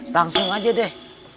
langsung aja deh